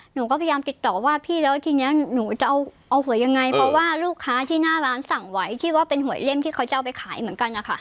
หนูก็พยายามติดต่อว่าพี่แล้วทีนี้หนูจะเอาหวยยังไงเพราะว่าลูกค้าที่หน้าร้านสั่งไว้คิดว่าเป็นหวยเล่นที่เขาจะเอาไปขายเหมือนกันนะคะ